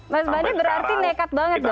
mas bani berarti nekat banget dong